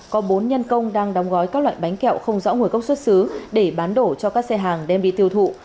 có bốn nhân công đang đóng gói các loại bánh kẹo không rõ nguồn gốc xuất xứ để bán đổ cho các xe hàng đem đi tiêu thụ